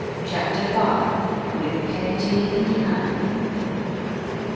CHAPTER V. WITH PEGGOTTY AND HAM.